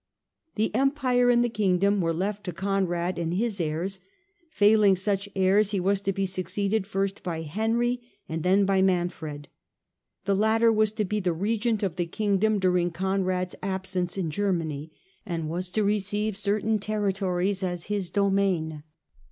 l The Empire and the Kingdom were left to Conrad and his heirs ; failing such heirs he was to be succeeded first by Henry and then by Manfred. The latter was to be the Regent of the Kingdom during Conrad's absence in Germany, and was to receive certain territories as his own domain.